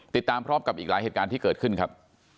ติดตามพร้อมกับอีกหลายเหตุการณ์ที่เกิดขึ้นครับ